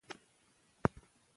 هغه درس چې عملي دی ښه دی.